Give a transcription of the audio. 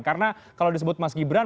karena kalau disebut mas gibran